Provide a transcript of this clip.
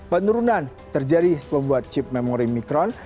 penurunan terjadi sepembuat chip memory micron